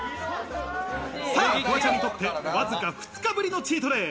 フワちゃんにとってわずか２日ぶりのチートデイ。